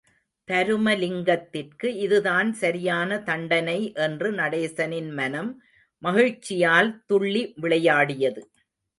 தருமலிங்கத்திற்கு இதுதான் சரியான தண்டனை என்று நடேசனின் மனம் மகிழ்ச்சியால் துள்ளி விளையாடியது.